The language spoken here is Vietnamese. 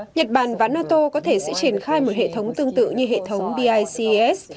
nhật bản và nato có thể sẽ triển khai một hệ thống tương tự như hệ thống bics